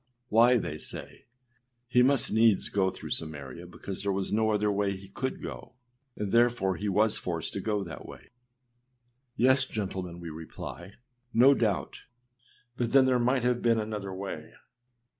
â âWhy,â they say, âhe must needs go through Samaria, because there was no other way he could go, and therefore he was forced to go that way.â Yes, gentlemen, we reply, no doubt; but then there might have been another way.